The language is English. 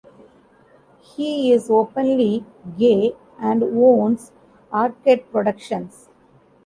He is openly gay and owns Arcade Productions.